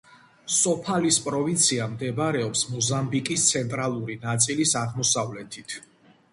სოფალის პროვინცია მდებარეობს მოზამბიკის ცენტრალური ნაწილის აღმოსავლეთით.